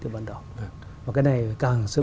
từ ban đầu và cái này càng sớm